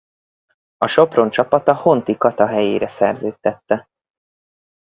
A Sopron csapata Honti Kata helyére szerződtette.